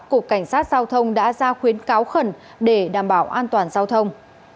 cục cảnh sát giao thông đã ra khuyến cáo khẩn để đảm bảo an toàn giao thông